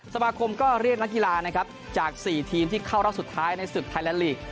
สมาคมก็เรียกนักกีฬานะครับจาก๔ทีมที่เข้ารอบสุดท้ายในศึกไทยแลนดลีก